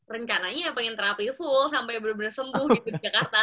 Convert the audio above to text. rencananya pengen terapi full sampai bener bener sembuh gitu di jakarta